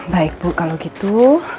baik bu kalau gitu